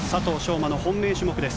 馬の本命種目です。